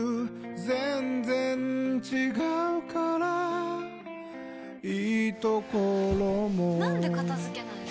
全然違うからいいところもなんで片付けないの？